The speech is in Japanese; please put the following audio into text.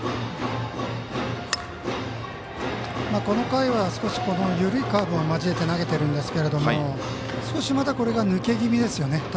この回は緩いカーブも交えて投げてるんですけれども少しまだ抜け気味ですよね。